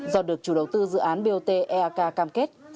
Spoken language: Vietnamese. do được chủ đầu tư dự án bot eak cam kết